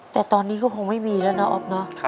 แต่ตอนนี้ก็คงไม่มีแล้วนะอ๊อฟเนอะ